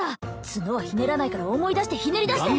角はひねらないから思い出してひねり出して！